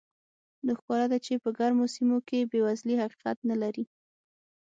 نو ښکاره ده چې په ګرمو سیمو کې بېوزلي حقیقت نه لري.